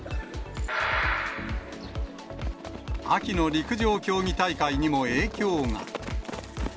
秋の陸上競技大会にも影響が。